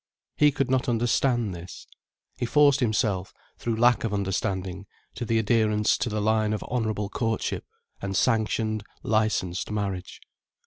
He could not understand this. He forced himself, through lack of understanding, to the adherence to the line of honourable courtship and sanctioned, licensed marriage.